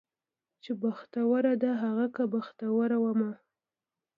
چې بختوره ده هغه که بختوره ومه